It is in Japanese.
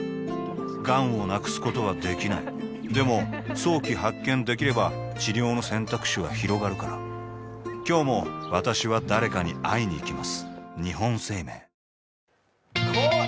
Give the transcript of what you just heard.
がんを無くすことはできないでも早期発見できれば治療の選択肢はひろがるから今日も私は誰かに会いにいきます